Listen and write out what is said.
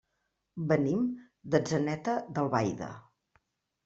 Venim d'Atzeneta d'Albaida.